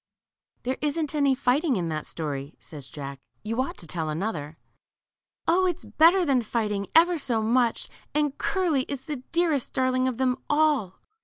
There isn't any fighting in that story/' says Jack j you ought to tell another." 0; it is better than fighting, ever so much, and Curly is the greatest darling of them all